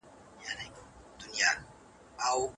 اړیکې جوړې کړئ.